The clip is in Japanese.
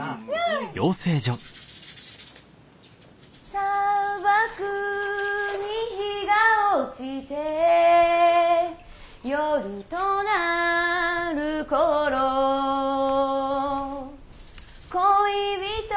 沙漠に陽が落ちて夜となる頃恋人よ